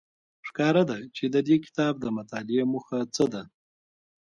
ښکاره ده چې د دې کتاب د مطالعې موخه څه ده.